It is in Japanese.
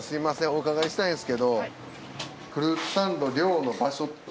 お伺いしたいんですけど。